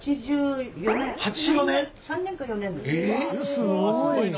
すごいな。